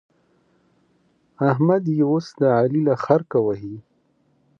احمد يې اوس د علي له خرکه وهي.